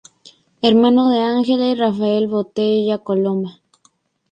Hermano de Ángela y Rafael Botella Coloma.